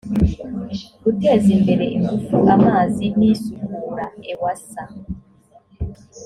guteza imbere ingufu amazi n isukura ewsa